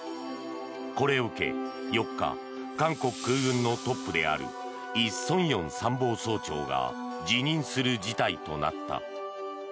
これを受け、４日韓国空軍のトップであるイ・ソンヨン参謀総長が辞任する事態となった。